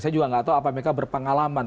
saya juga nggak tahu apa mereka berpengalaman